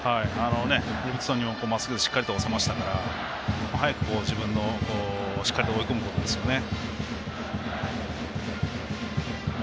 デビッドソンもまっすぐでしっかりと押せましたから早くしっかりと追い込むことですね。